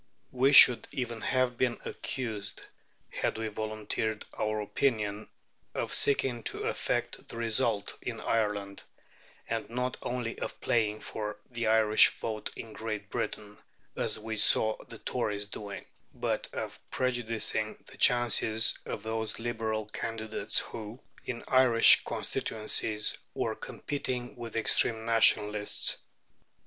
We should even have been accused, had we volunteered our opinions, of seeking to affect the result in Ireland, and, not only of playing for the Irish vote in Great Britain, as we saw the Tories doing, but of prejudicing the chances of those Liberal candidates who, in Irish constituencies, were competing with extreme Nationalists.